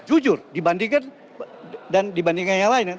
jujur dibandingkan dan dibandingkan yang lain